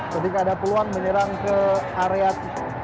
ketika ada peluang menyerang ke area pembenis rovers